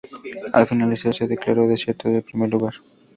Al finalizar se declaró desierto el primer lugar.